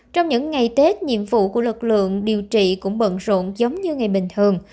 trong những ngày tết nhiệm vụ của lực lượng điều trị cũng bận rộn giống như ngày bình thường